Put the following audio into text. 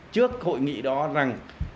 trước hội nghị đó rằng